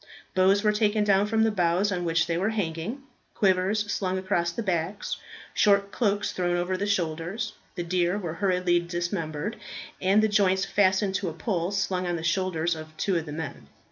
Bows were taken down from the boughs on which they were hanging, quivers slung across the backs, short cloaks thrown over the shoulders. The deer was hurriedly dismembered, and the joints fastened to a pole slung on the shoulders of two of the men.